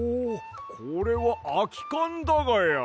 これはあきかんだがや。